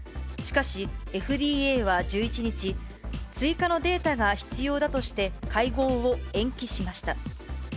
しかし、ＦＤＡは１１日、追加のデータが必要だとして、会合を延期しました。